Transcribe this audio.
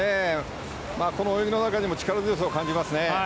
この泳ぎの中でも力強さを感じますね。